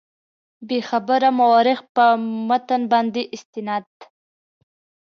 بېخبره مورخ په متن باندې استناد.